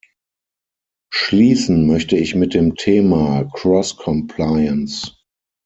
Schließen möchte ich mit dem Thema Cross Compliance.